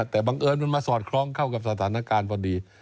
แต่บังเอิญมันมาสอดคล้องเข้ากับสถานการณ์พอดี